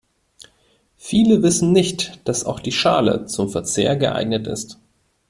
Viele wissen nicht, dass auch die Schale zum Verzehr geeignet ist.